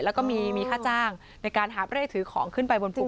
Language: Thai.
แล้วก็มีค่าจ้างในการหาบเร่ถือของขึ้นไปบนภู